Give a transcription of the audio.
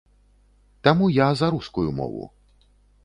Таму я за рускую мову.